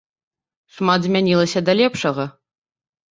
Шмат змянілася да лепшага.